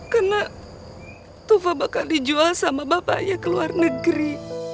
karena tufa bakal dijual sama bapaknya ke luar negeri